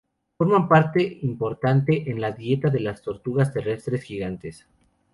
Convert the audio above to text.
Forman parte importante en la dieta de las tortugas terrestres gigantes.